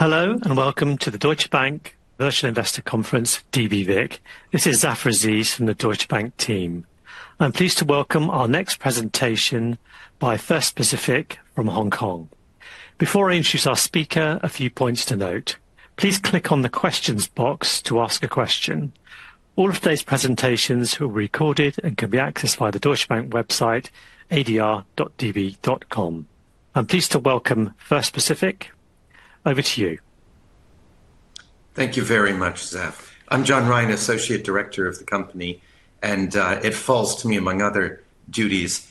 Hello and welcome to the Deutsche Bank Virtual Investor Conference, dbVIC. This is Zafar Aziz from the Deutsche Bank team. I'm pleased to welcome our next presentation by First Pacific from Hong Kong. Before I introduce our speaker, a few points to note. Please click on the questions box to ask a question. All of today's presentations will be recorded and can be accessed via the Deutsche Bank webs.com. I'm pleased to welcome First Pacific. Over to you. Thank you very much, Zaf. I'm John Ryan, Associate Director of the company, and it falls to me, among other duties,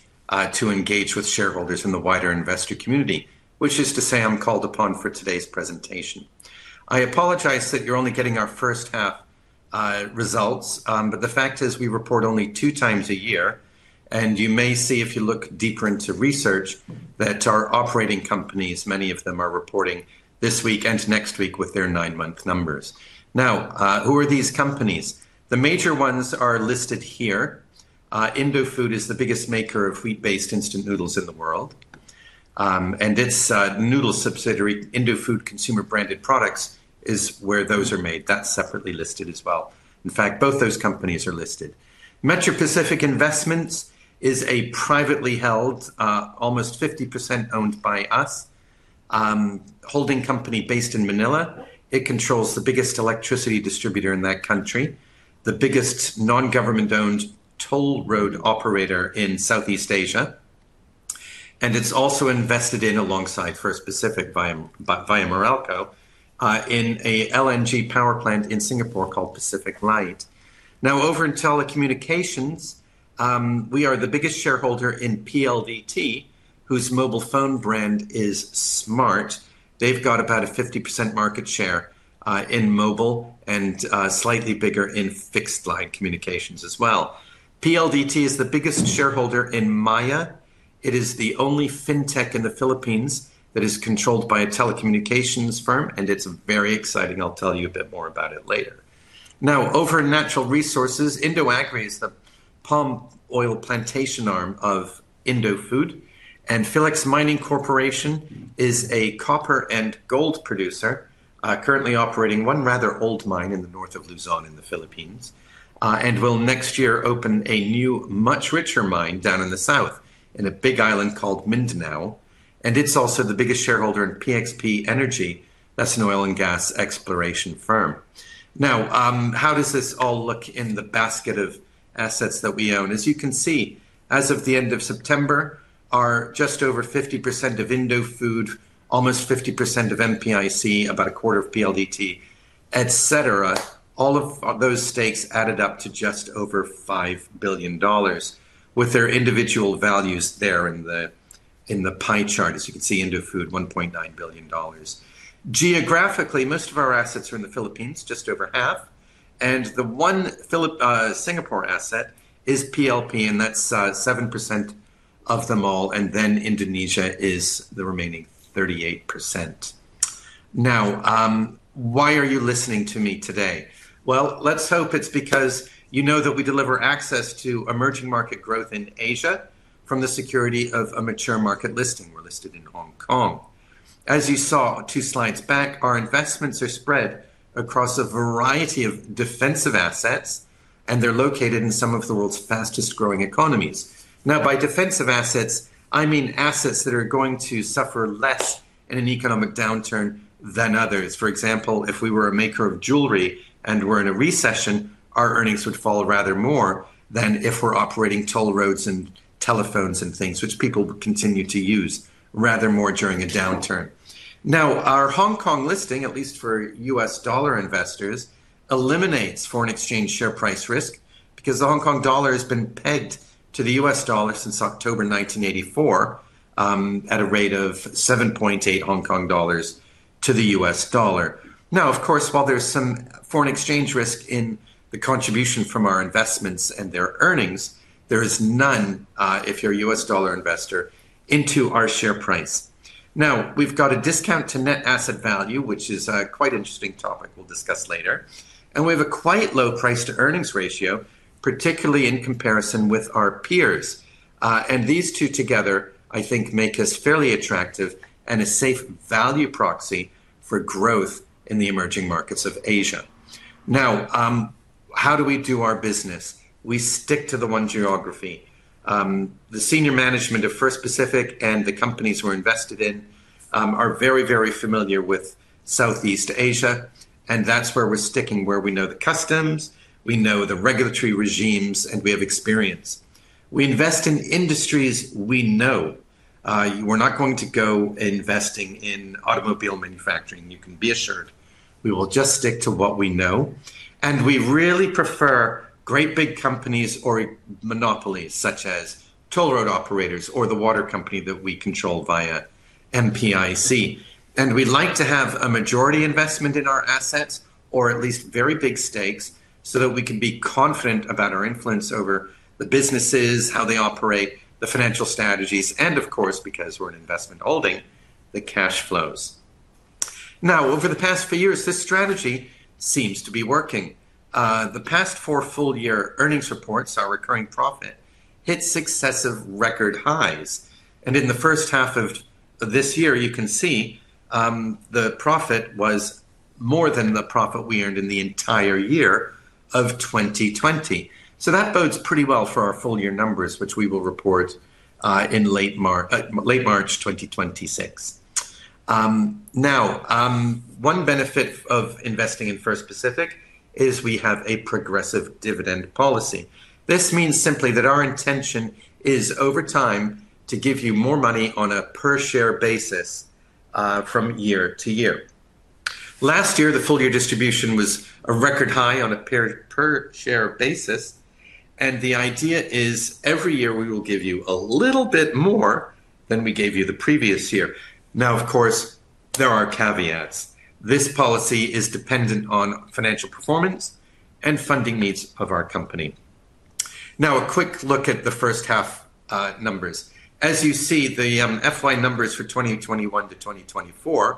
to engage with shareholders in the wider investor community, which is to say I'm called upon for today's presentation. I apologize that you're only getting our first half results, but the fact is we report only two times a year, and you may see if you look deeper into research that our operating companies, many of them, are reporting this week and next week with their nine-month numbers. Now, who are these companies? The major ones are listed here. Indofood is the biggest maker of wheat-based instant noodles in the world. And its noodle subsidiary, Indofood Consumer Branded Products, is where those are made. That's separately listed as well. In fact, both those companies are listed. Metro Pacific Investments is a privately held, almost 50% owned by us, holding company based in Manila. It controls the biggest electricity distributor in that country, the biggest non-government-owned toll road operator in Southeast Asia. And it's also invested in, alongside First Pacific, via Meralco, in an LNG power plant in Singapore called PacificLight. Now, over in telecommunications. We are the biggest shareholder in PLDT, whose mobile phone brand is Smart. They've got about a 50% market share in mobile and slightly bigger in fixed line communications as well. PLDT is the biggest shareholder in Maya. It is the only fintech in the Philippines that is controlled by a telecommunications firm, and it's very exciting. I'll tell you a bit more about it later. Now, over in natural resources, IndoAgri is the palm oil plantation arm of Indofood, and Philex Mining Corporation is a copper and gold producer, currently operating one rather old mine in the north of Luzon in the Philippines, and will next year open a new, much richer mine down in the south in a big island called Mindanao. And it's also the biggest shareholder in PXP Energy, that's an oil and gas exploration firm. Now, how does this all look in the basket of assets that we own? As you can see, as of the end of September, are just over 50% of Indofood, almost 50% of MPIC, about a quarter of PLDT, et cetera. All of those stakes added up to just over $5 billion, with their individual values there in the pie chart. As you can see, Indofood, $1.9 billion. Geographically, most of our assets are in the Philippines, just over half, and the one Singapore asset is PLP, and that's 7% of them all, and then Indonesia is the remaining 38%. Now, why are you listening to me today? Let's hope it's because you know that we deliver access to emerging market growth in Asia from the security of a mature market listing. We're listed in Hong Kong. As you saw two slides back, our investments are spread across a variety of defensive assets, and they're located in some of the world's fastest growing economies. Now, by defensive assets, I mean assets that are going to suffer less in an economic downturn than others. For example, if we were a maker of jewelry and were in a recession, our earnings would fall rather more than if we're operating toll roads and telephones and things, which people continue to use rather more during a downturn. Now, our Hong Kong listing, at least for U.S. dollar investors, eliminates foreign exchange share price risk because the Hong Kong dollar has been pegged to the U.S. dollar since October 1984 at a rate of 7.8 Hong Kong dollars to the U.S. dollar. Now, of course, while there's some foreign exchange risk in the contribution from our investments and their earnings, there is none, if you're a U.S. dollar investor, into our share price. Now, we've got a discount to net asset value, which is a quite interesting topic we'll discuss later, and we have a quite low price-to-earnings ratio, particularly in comparison with our peers. These two together, I think, make us fairly attractive and a safe value proxy for growth in the emerging markets of Asia. Now. How do we do our business? We stick to the one geography. The senior management of First Pacific and the companies we're invested in are very, very familiar with Southeast Asia, and that's where we're sticking, where we know the customs, we know the regulatory regimes, and we have experience. We invest in industries we know. We're not going to go investing in automobile manufacturing. You can be assured we will just stick to what we know, and we really prefer great big companies or monopolies such as toll road operators or the water company that we control via MPIC. We'd like to have a majority investment in our assets or at least very big stakes so that we can be confident about our influence over the businesses, how they operate, the financial strategies, and of course, because we're an investment holding, the cash flows. Now, over the past few years, this strategy seems to be working. The past 4 full-year earnings reports, our recurring profit, hit successive record highs. In the first half of this year, you can see the profit was more than the profit we earned in the entire year of 2020. That bodes pretty well for our full-year numbers, which we will report in late March 2026. Now. One benefit of investing in First Pacific is we have a progressive dividend policy. This means simply that our intention is, over time, to give you more money on a per-share basis from year-to-year. Last year, the full-year distribution was a record high on a per-share basis, and the idea is every year we will give you a little bit more than we gave you the previous year. Now, of course, there are caveats. This policy is dependent on financial performance and funding needs of our company. Now, a quick look at the first half numbers. As you see, the FY numbers for 2021 to 2024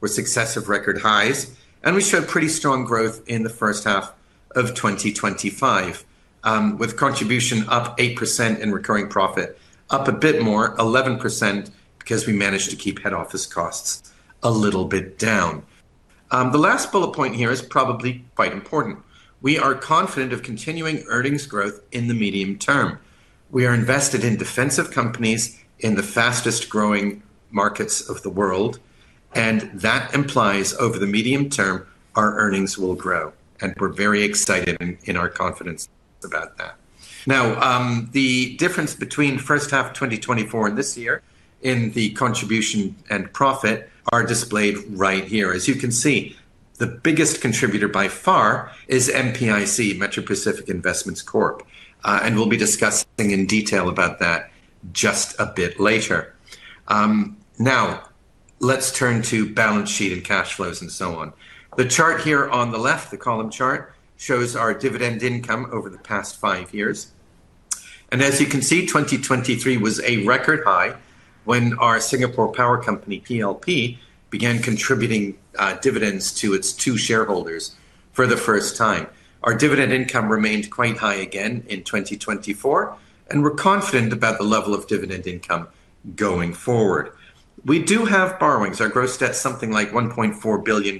were successive record highs, and we showed pretty strong growth in the first half of 2025. With contribution up 8% in recurring profit, up a bit more, 11%, because we managed to keep head office costs a little bit down. The last bullet point here is probably quite important. We are confident of continuing earnings growth in the medium term. We are invested in defensive companies in the fastest growing markets of the world. That implies over the medium term, our earnings will grow, and we're very excited and in our confidence about that. Now, the difference between first half 2024 and this year in the contribution and profit are displayed right here. As you can see, the biggest contributor by far is MPIC, Metro Pacific Investments, and we'll be discussing in detail about that just a bit later. Now, let's turn to balance sheet and cash flows and so on. The chart here on the left, the column chart, shows our dividend income over the past five years. As you can see, 2023 was a record high when our Singapore power company, PLP, began contributing dividends to its two shareholders for the first time. Our dividend income remained quite high again in 2024, and we're confident about the level of dividend income going forward. We do have borrowings. Our gross debt is something like $1.4 billion.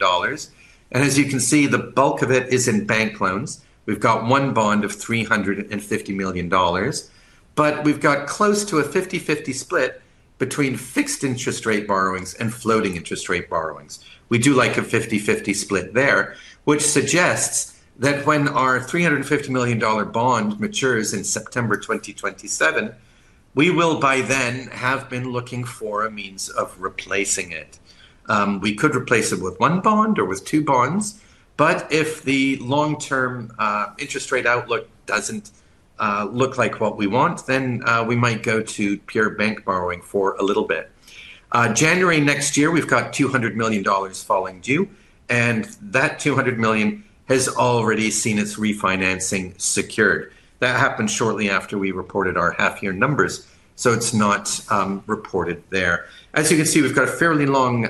As you can see, the bulk of it is in bank loans. We've got one bond of $350 million. We've got close to a 50/50 split between fixed interest rate borrowings and floating interest rate borrowings. We do like a 50/50 split there, which suggests that when our $350 million bond matures in September 2027, we will by then have been looking for a means of replacing it. We could replace it with one bond or with two bonds, but if the long-term interest rate outlook doesn't look like what we want, then we might go to pure bank borrowing for a little bit. January next year, we've got $200 million falling due, and that $200 million has already seen its refinancing secured. That happened shortly after we reported our half-year numbers, so it's not reported there. As you can see, we've got a fairly long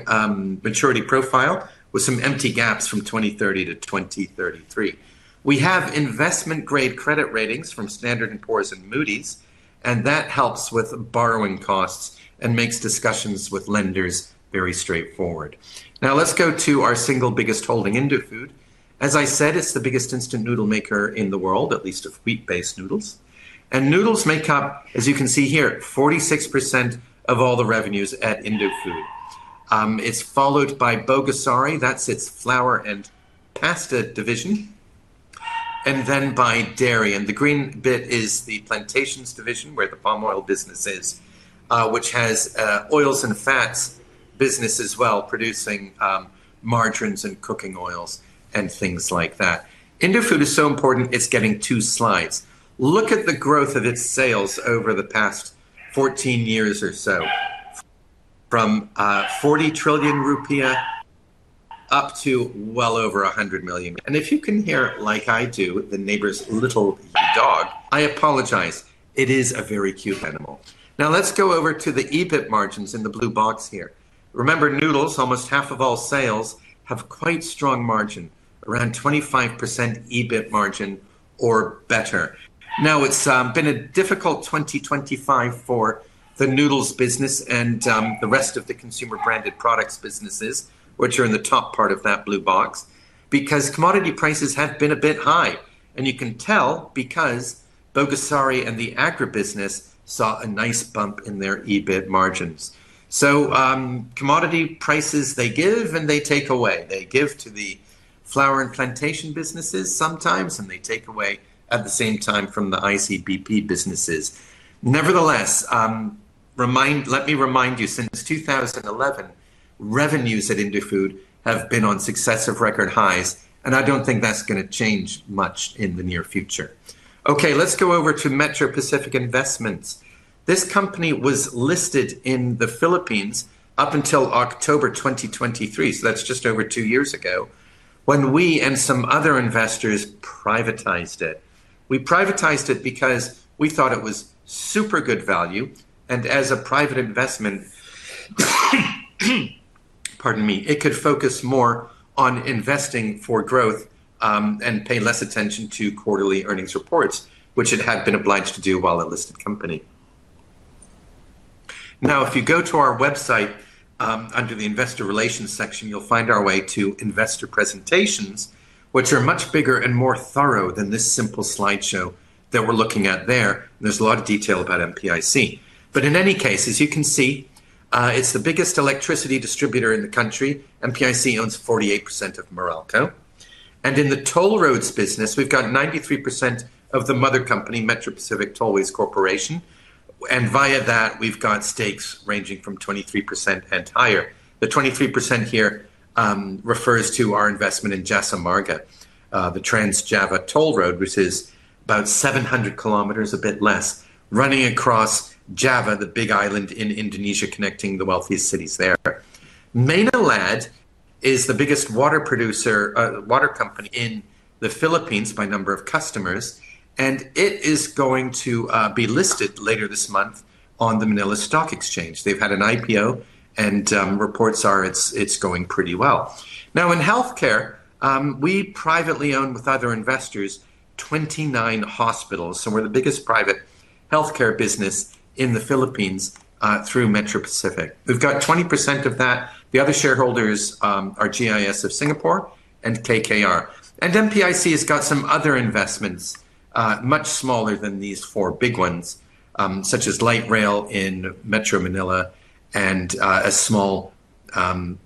maturity profile with some empty gaps from 2030 to 2033. We have investment-grade credit ratings from Standard and Poor's and Moody's, and that helps with borrowing costs and makes discussions with lenders very straightforward. Now, let's go to our single biggest holding, Indofood. As I said, it's the biggest instant noodle maker in the world, at least of wheat-based noodles. Noodles make up, as you can see here, 46% of all the revenues at Indofood. It's followed by Bogasari. That's its flour and pasta division. Then by dairy. The green bit is the plantations division where the palm oil business is, which has oils and fats business as well, producing margarine and cooking oils and things like that. Indofood is so important it's getting two slides. Look at the growth of its sales over the past 14 years or so. From 40 trillion rupiah up to well over 100 million. If you can hear, like I do, the neighbor's little dog, I apologize. It is a very cute animal. Now, let's go over to the EBIT margins in the blue box here. Remember, noodles, almost half of all sales, have quite strong margin, around 25% EBIT margin or better. It's been a difficult 2025, 2024 for the noodles business and the rest of the consumer branded products businesses, which are in the top part of that blue box, because commodity prices have been a bit high. You can tell because Bogasari and the agribusiness saw a nice bump in their EBIT margins. Commodity prices, they give and they take away. They give to the flour and plantation businesses sometimes, and they take away at the same time from the ICBP businesses. Nevertheless, let me remind you, since 2011, revenues at Indofood have been on successive record highs, and I don't think that's going to change much in the near future. Okay, let's go over to Metro Pacific Investments. This company was listed in the Philippines up until October 2023, so that's just 2 years ago when we and some other investors privatized it. We privatized it because we thought it was super good value, and as a private investment, pardon me, it could focus more on investing for growth and pay less attention to quarterly earnings reports, which it had been obliged to do while a listed company. Now, if you go to our website, under the investor relations section, you'll find our way to investor presentations, which are much bigger and more thorough than this simple slideshow that we're looking at there. There's a lot of detail about MPIC. In any case, as you can see, it's the biggest electricity distributor in the country. MPIC owns 48% of Meralco. In the toll roads business, we've got 93% of the mother company, Metro Pacific Tollways Corporation. Via that, we've got stakes ranging from 23% and higher. The 23% here refers to our investment in Jasa Marga, the Trans-Java Toll Road, which is about 700 km, a bit less, running across Java, the big island in Indonesia, connecting the wealthiest cities there. Maynilad is the biggest water producer, water company in the Philippines by number of customers, and it is going to be listed later this month on the Manila Stock Exchange. They have had an IPO, and reports are it is going pretty well. Now, in healthcare, we privately own with other investors 29 hospitals. We are the biggest private healthcare business in the Philippines through Metro Pacific. We have got 20% of that. The other shareholders are GIC of Singapore and KKR. MPIC has got some other investments, much smaller than these four big ones, such as Light Rail in Metro Manila and a small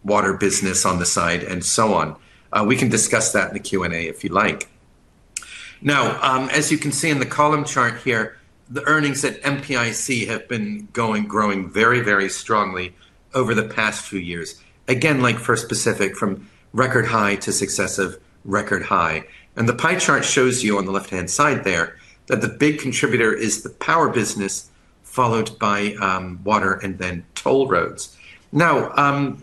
water business on the side and so on. We can discuss that in the Q&A if you like. Now, as you can see in the column chart here, the earnings at MPIC have been growing very, very strongly over the past few years. Again, like First Pacific, from record high to successive record high. The pie chart shows you on the left-hand side there that the big contributor is the power business, followed by water and then toll roads. Now,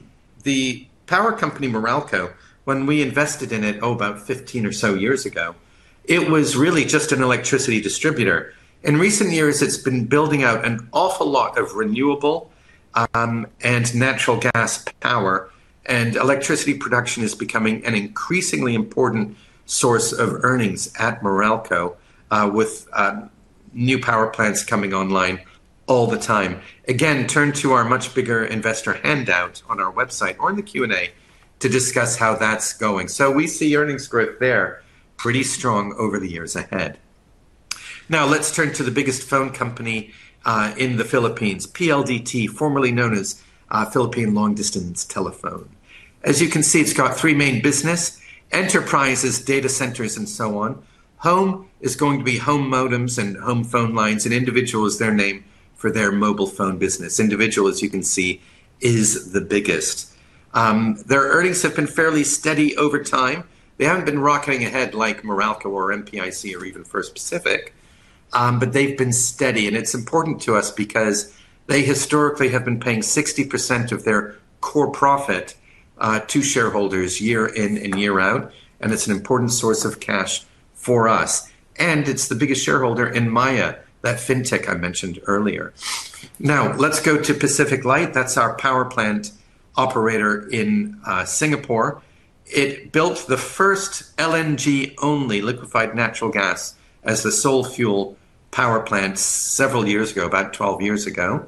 the power company Meralco, when we invested in it about 15 or so years ago, it was really just an electricity distributor. In recent years, it has been building out an awful lot of renewable and natural gas power, and electricity production is becoming an increasingly important source of earnings at Meralco with new power plants coming online all the time. Turn to our much bigger investor handout on our website or in the Q&A to discuss how that is going. We see earnings growth there pretty strong over the years ahead. Now, let us turn to the biggest phone company in the Philippines, PLDT, formerly known as Philippine Long Distance Telephone. As you can see, it has got three main businesses: enterprises, data centers, and so on. Home is going to be home modems and home phone lines, and Individual is their name for their mobile phone business. Individual, as you can see, is the biggest. Their earnings have been fairly steady over time. They have not been rocketing ahead like Meralco or MPIC or even First Pacific. They have been steady, and it is important to us because they historically have been paying 60% of their core profit to shareholders year in and year out, and it is an important source of cash for us. It is the biggest shareholder in Maya, that fintech I mentioned earlier. Now, let us go to PacificLight. That is our power plant operator in Singapore. It built the first LNG-only liquefied natural gas as the sole fuel power plant several years ago, about 12 years ago.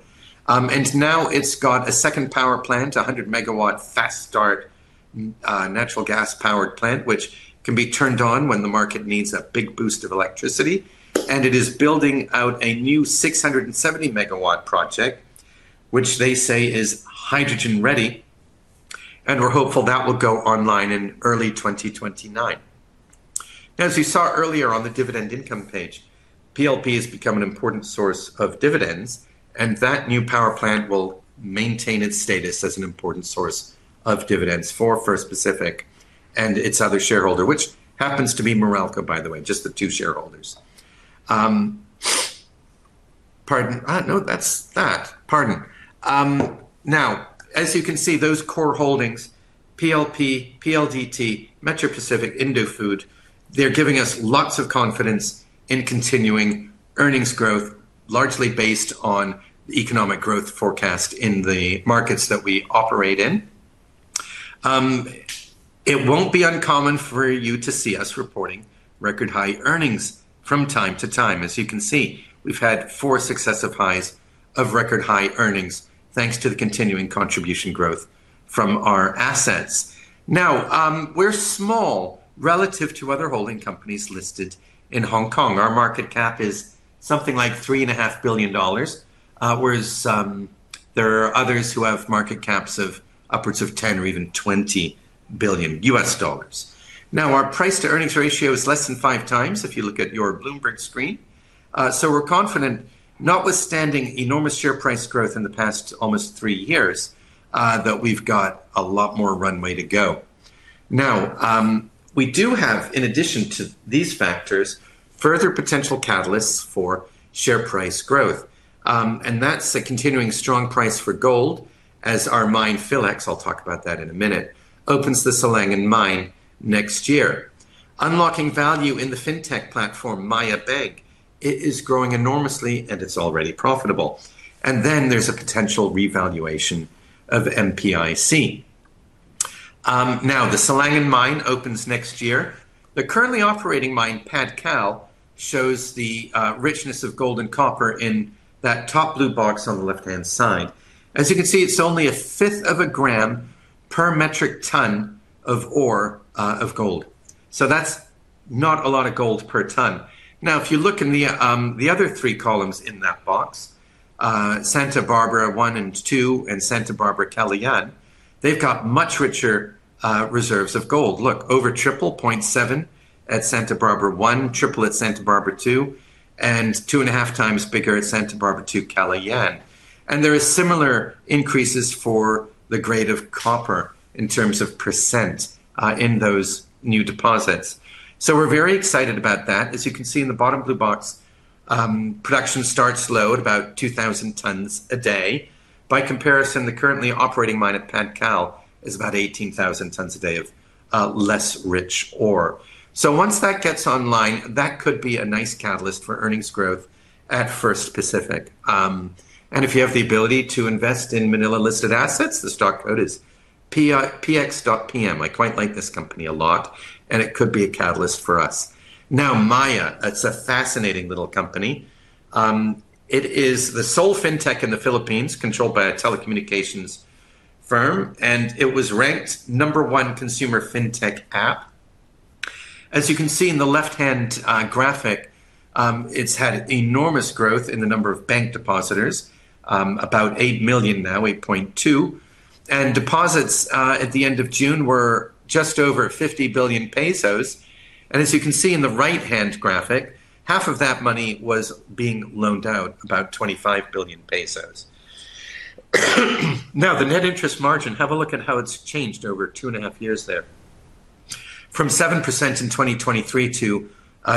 Now it has got a second power plant, a 100 MW fast start natural gas-powered plant, which can be turned on when the market needs a big boost of electricity. It is building out a new 670 MW project, which they say is hydrogen-ready. We are hopeful that will go online in early 2029. As you saw earlier on the dividend income page, PLP has become an important source of dividends, and that new power plant will maintain its status as an important source of dividends for First Pacific and its other shareholder, which happens to be Meralco, by the way, just the two shareholders. Pardon. No, that's that. Pardon. Now, as you can see, those core holdings, PLP, PLDT, Metro Pacific, Indofood, they're giving us lots of confidence in continuing earnings growth, largely based on the economic growth forecast in the markets that we operate in. It won't be uncommon for you to see us reporting record high earnings from time to time. As you can see, we've had four successive highs of record high earnings thanks to the continuing contribution growth from our assets. Now, we're small relative to other holding companies listed in Hong Kong. Our market cap is something like $3.5 billion. Whereas there are others who have market caps of upwards of $10 billion or even $20 billion. Now, our price-to-earnings ratio is less than five times if you look at your Bloomberg screen. So we're confident, notwithstanding enormous share price growth in the past almost three years, that we've got a lot more runway to go. Now, we do have, in addition to these factors, further potential catalysts for share price growth. And that's a continuing strong price for gold, as our mine, Philex, I'll talk about that in a minute, opens the Silangan mine next year. Unlocking value in the fintech platform, Maya, it is growing enormously, and it's already profitable. And then there's a potential revaluation of MPIC. Now, the Silangan mine opens next year. The currently operating mine, Padcal, shows the richness of gold and copper in that top blue box on the left-hand side. As you can see, it's only 1/5 of a gram per metric ton of ore of gold. So that's not a lot of gold per ton. Now, if you look in the other three columns in that box, Santa Barbara One and Two and Santa Barbara Callayan, they've got much richer reserves of gold. Look, over triple, 0.7 at Santa Barbara One, triple at Santa Barbara Two, and 2.5x bigger at Santa Barbara Two Callayan. And there are similar increases for the grade of copper in terms of percent in those new deposits. So we're very excited about that. As you can see in the bottom blue box, production starts low, at about 2,000 tons a day. By comparison, the currently operating mine at Padcal is about 18,000 tons a day of less rich ore. So once that gets online, that could be a nice catalyst for earnings growth at First Pacific. And if you have the ability to invest in Manila-listed assets, the stock code is c.PM. I quite like this company a lot, and it could be a catalyst for us. Now, Maya, it's a fascinating little company. It is the sole fintech in the Philippines, controlled by a telecommunications firm, and it was ranked number one consumer fintech app. As you can see in the left-hand graphic. It's had enormous growth in the number of bank depositors, about 8 million now, 8.2 million. And deposits at the end of June were just over 50 billion pesos. As you can see in the right-hand graphic, half of that money was being loaned out, about 25 billion pesos. Now, the net interest margin, have a look at how it's changed over 2.5 years there. From 7% in 2023 to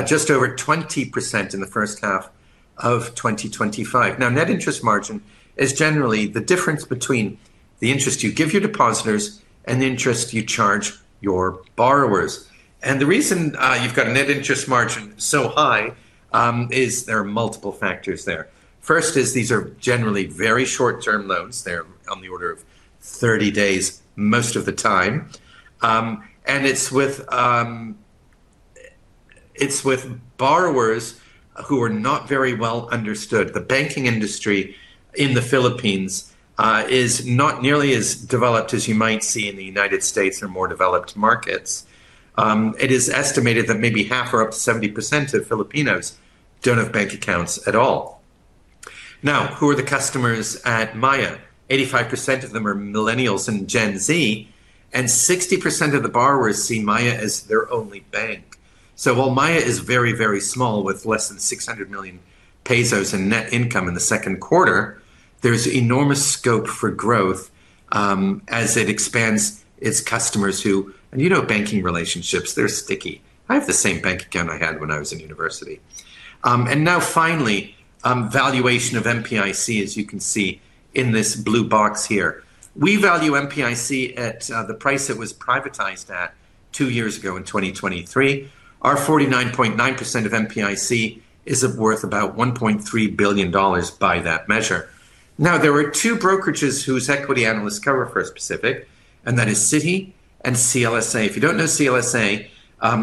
just over 20% in the first half of 2025. Now, net interest margin is generally the difference between the interest you give your depositors and the interest you charge your borrowers. The reason you've got a net interest margin so high is there are multiple factors there. First is these are generally very short-term loans. They're on the order of 30 days most of the time. It's with borrowers who are not very well understood. The banking industry in the Philippines is not nearly as developed as you might see in the United States or more developed markets. It is estimated that maybe half or up to 70% of Filipinos don't have bank accounts at all. Now, who are the customers at Maya? 85% of them are millennials and Gen Z, and 60% of the borrowers see Maya as their only bank. While Maya is very, very small, with less than 600 million pesos in net income in the second quarter, there's enormous scope for growth. As it expands its customers who, and you know banking relationships, they're sticky. I have the same bank account I had when I was in university. Now finally, valuation of MPIC, as you can see in this blue box here. We value MPIC at the price it was privatized 2 years ago in 2023. Our 49.9% of MPIC is worth about $1.3 billion by that measure. There are two brokerages whose equity analysts cover First Pacific, and that is Citi and CLSA. If you don't know CLSA,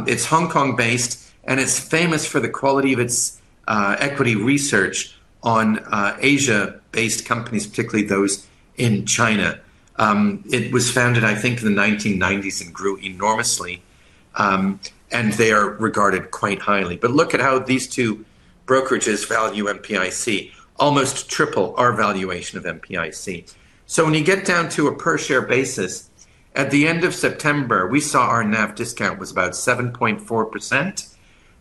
it's Hong Kong-based, and it's famous for the quality of its equity research on Asia-based companies, particularly those in China. It was founded, I think, in the 1990s and grew enormously. They are regarded quite highly. Look at how these two brokerages value MPIC. Almost triple our valuation of MPIC. When you get down to a per-share basis, at the end of September, we saw our NAV discount was about 7.4%.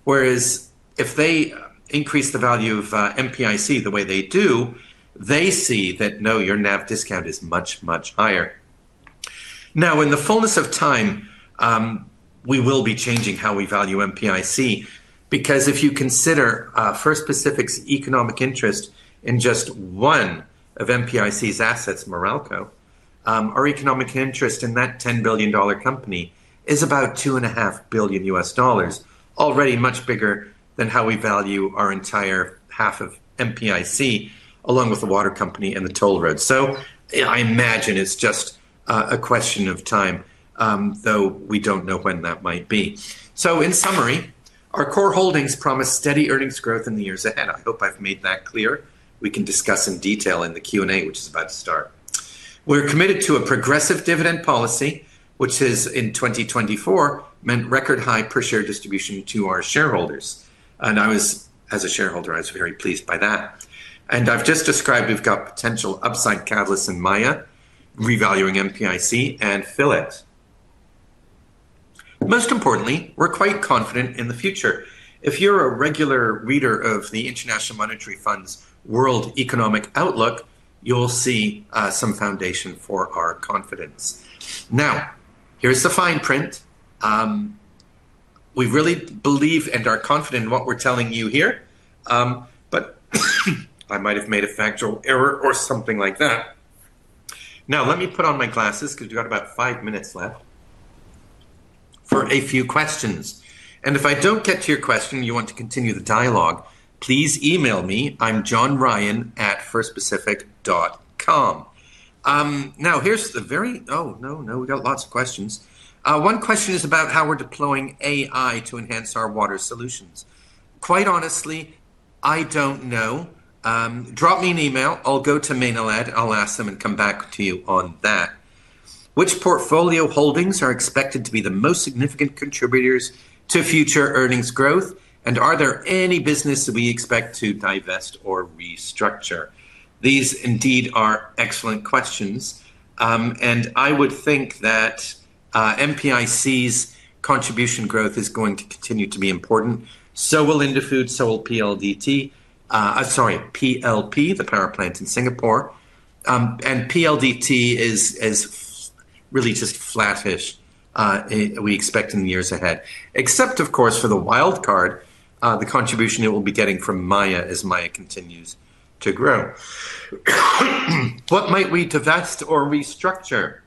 Whereas if they increase the value of MPIC the way they do, they see that, no, your NAV discount is much, much higher. Now, in the fullness of time, we will be changing how we value MPIC because if you consider First Pacific's economic interest in just one of MPIC's assets, Meralco, our economic interest in that $10 billion company is about $2.5 billion U.S. dollars, already much bigger than how we value our entire half of MPIC, along with the water company and the toll road. I imagine it's just a question of time, though we don't know when that might be. In summary, our core holdings promise steady earnings growth in the years ahead. I hope I've made that clear. We can discuss in detail in the Q&A, which is about to start. We're committed to a progressive dividend policy, which in 2024 meant record high per-share distribution to our shareholders. As a shareholder, I was very pleased by that. I've just described we've got potential upside catalysts in Maya, revaluing MPIC, and Philex. Most importantly, we're quite confident in the future. If you're a regular reader of the International Monetary Fund's World Economic Outlook, you'll see some foundation for our confidence. Now, here's the fine print. We really believe and are confident in what we're telling you here. I might have made a factual error or something like that. Let me put on my glasses because we've got about five minutes left for a few questions. If I don't get to your question and you want to continue the dialogue, please email me. I'm johnryan@firstpacific.com. Now, here's the very—oh, no, no, we got lots of questions. One question is about how we're deploying AI to enhance our water solutions. Quite honestly, I don't know. Drop me an email. I'll go to Maynilad. I'll ask them and come back to you on that. Which portfolio holdings are expected to be the most significant contributors to future earnings growth? Are there any businesses we expect to divest or restructure? These indeed are excellent questions. I would think that MPIC's contribution growth is going to continue to be important. So will Indofood, so will PLDT. Sorry, PLP, the power plant in Singapore. PLDT is really just flattish, we expect in the years ahead, except, of course, for the wild card, the contribution it will be getting from Maya as Maya continues to grow. What might we divest or restructure?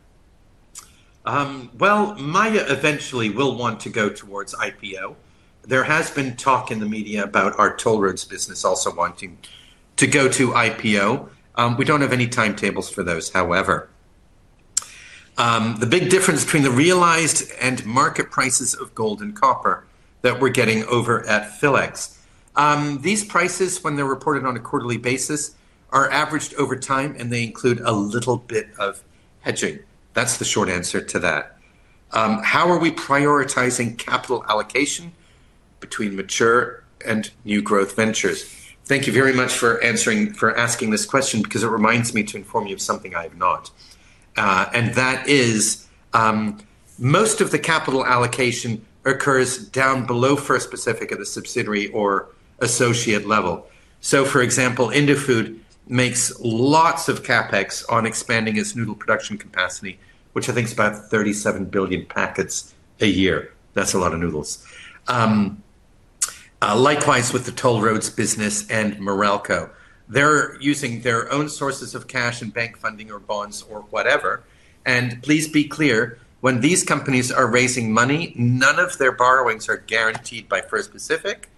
Maya eventually will want to go towards IPO. There has been talk in the media about our toll roads business also wanting to go to IPO. We don't have any timetables for those, however. The big difference between the realized and market prices of gold and copper that we're getting over at Philex. These prices, when they're reported on a quarterly basis, are averaged over time, and they include a little bit of hedging..That's the short answer to that. How are we prioritizing capital allocation between mature and new growth ventures? Thank you very much for asking this question because it reminds me to inform you of something I have not. That is, most of the capital allocation occurs down below First Pacific at the subsidiary or associate level. For example, Indofood makes lots of CapEx on expanding its noodle production capacity, which I think is about 37 billion packets a year. That's a lot of noodles. Likewise, with the toll roads business and Meralco. They're using their own sources of cash and bank funding or bonds or whatever. Please be clear, when these companies are raising money, none of their borrowings are guaranteed by First Pacific.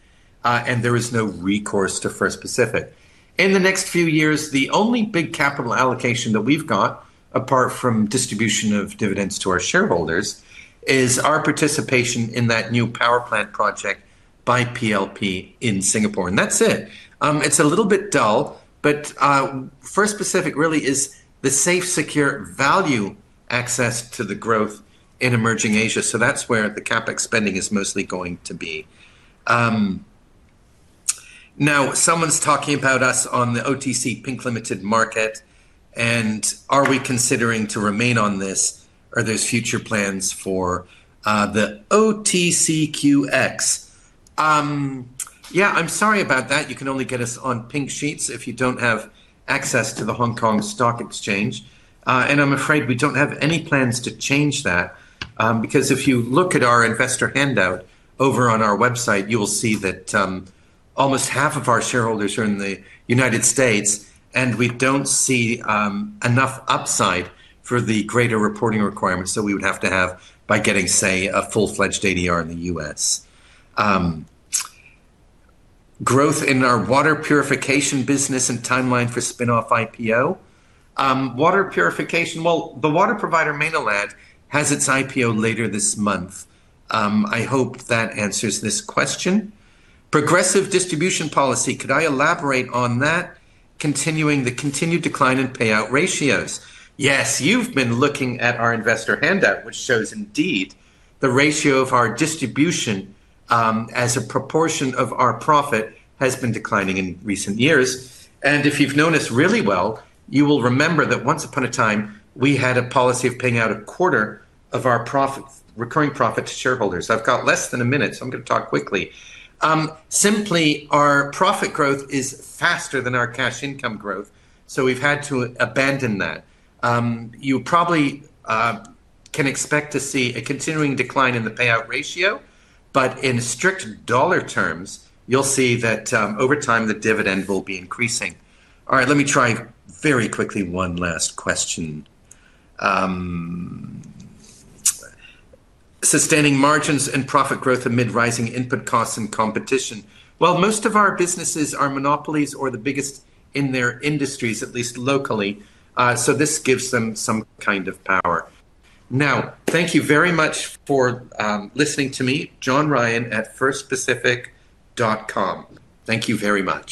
There is no recourse to First Pacific. In the next few years, the only big capital allocation that we've got, apart from distribution of dividends to our shareholders, is our participation in that new power plant project by PacificLight Power in Singapore. That's it. It's a little bit dull, but First Pacific really is the safe, secure, value access to the growth in emerging Asia. That's where the CapEx spending is mostly going to be. Now, someone's talking about us on the OTC Pink Limited market. Are we considering to remain on this, or are there future plans for the OTCQX? I'm sorry about that. You can only get us on pink sheets if you don't have access to the Hong Kong Stock Exchange. I'm afraid we don't have any plans to change that. If you look at our investor handout over on our website, you'll see that almost half of our shareholders are in the United States, and we don't see enough upside for the greater reporting requirements that we would have to have by getting, say, a full-fledged ADR in the US. Growth in our water purification business and timeline for spinoff IPO? Water purification, the water provider Maynilad has its IPO later this month. I hope that answers this question. Progressive distribution policy, could I elaborate on that? Continuing the continued decline in payout ratios. Yes, you've been looking at our investor handout, which shows indeed the ratio of our distribution as a proportion of our profit has been declining in recent years. If you've known us really well, you will remember that once upon a time, we had a policy of paying out a quarter of our recurring profit to shareholders. I've got less than a minute, so I'm going to talk quickly. Simply, our profit growth is faster than our cash income growth, so we've had to abandon that. You probably can expect to see a continuing decline in the payout ratio, but in strict dollar terms, you'll see that over time, the dividend will be increasing. All right, let me try very quickly one last question. Sustaining margins and profit growth amid rising input costs and competition. Most of our businesses are monopolies or the biggest in their industries, at least locally. This gives them some kind of power. Now, thank you very much for listening to me, johnryan@firstpacific.com. Thank you very much.